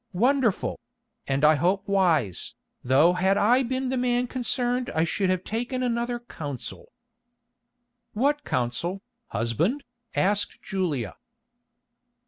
Wonderful—and I hope wise, though had I been the man concerned I should have taken another counsel." "What counsel, husband?" asked Julia.